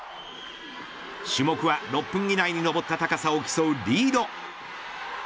種目は、６分以内に登った高さを競うリード。